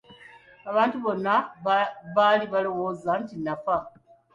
Abantu bonna baali balowooza nti nafa.